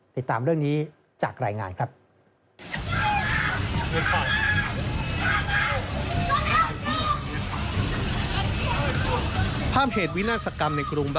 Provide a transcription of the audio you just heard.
ติดตามเรื่องนี้จากรายงานครับ